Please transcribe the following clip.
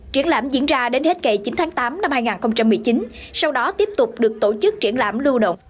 triển lãm diễn ra đến hết kỳ chín tháng tám năm hai nghìn một mươi chín sau đó tiếp tục được tổ chức triển lãm lưu động